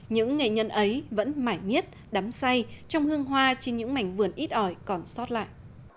những nghệ nhân ấy vẫn mãi miết đắm say trong hương hoa trên những mảnh vườn ít ỏi còn sót lại